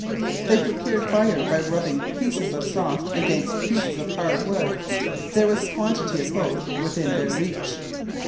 They procured fire by rubbing pieces of soft against pieces of hard wood; there was a quantity of both within their reach.